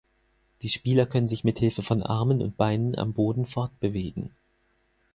Die Spieler können sich mit Hilfe von Armen und Beinen am Boden fortbewegen.